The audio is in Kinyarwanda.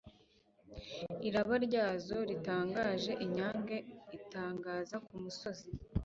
Iraba ryazo ritangajeInyange itangaza ku musozi